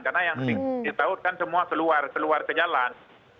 karena yang di jalan kan semua seluar seluar ke jalan